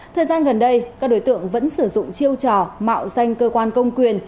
thời gian gần đây các đối tượng vẫn sử dụng chiêu trò mạo danh cơ quan công quyền